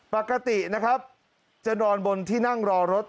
ปกติจะนอนบนที่นั่งรอรถ